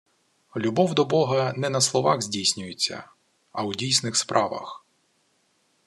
Любов до Бога не на словах здійснюється, а у дійсних справах.